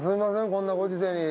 こんなご時世に。